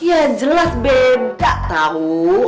ya jelas beda tau